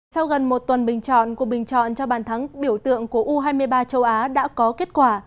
sau gần một tuần bình chọn cuộc bình chọn cho bàn thắng biểu tượng của u hai mươi ba châu á đã có kết quả